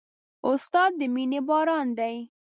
استاد د مینې باران دی.